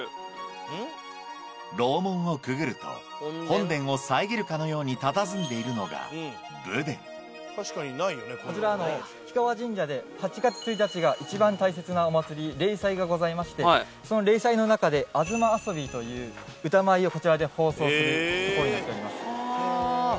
楼門をくぐると本殿を遮るかのようにたたずんでいるのがこちら氷川神社で８月１日が一番大切なお祭り例祭がございましてその例祭の中で東游という歌舞を奉奏する所になっております。